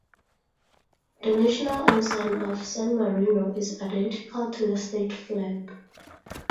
The national ensign of San Marino is identical to the state flag.